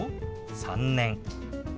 「３年」。